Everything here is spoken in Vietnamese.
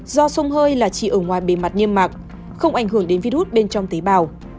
do sông hơi là chỉ ở ngoài bề mặt nghiêm mạc không ảnh hưởng đến virus bên trong tế bào